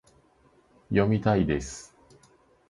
読みたいです